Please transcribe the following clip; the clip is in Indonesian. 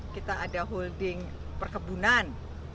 kita ada holding perkebunan